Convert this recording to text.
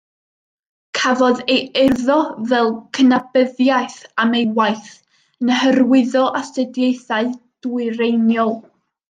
Cafodd ei urddo fel cydnabyddiaeth am ei waith yn hyrwyddo astudiaethau dwyreiniol.